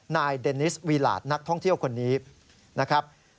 นายเดนิสวีหลาดนักท่องเที่ยวคนนี้นะครับ